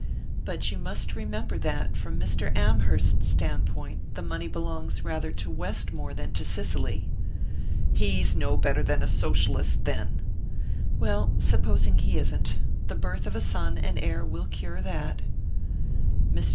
"But you must remember that, from Mr. Amherst's standpoint, the money belongs rather to Westmore than to Cicely." "He's no better than a socialist, then!" "Well supposing he isn't: the birth of a son and heir will cure that." Mr.